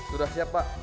sudah siap pak